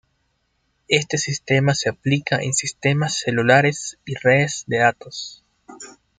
Este sistema se aplica en sistemas celulares y redes de datos.